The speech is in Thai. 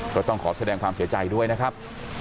ก็ต้องขอแสดงความเสียใจด้วยนะครับ